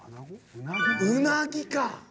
うなぎか。